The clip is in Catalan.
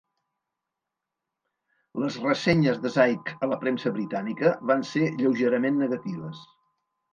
Les ressenyes de Zike a la premsa britànica van ser lleugerament negatives.